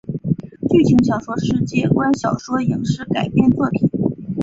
剧情小说世界观小说影视改编作品